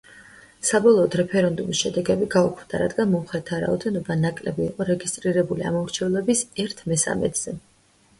საბოლოოდ რეფერენდუმის შედეგები გაუქმდა, რადგან მომხრეთა რაოდენობა ნაკლები იყო რეგისტრირებული ამომრჩევლების ერთ მესამედზე.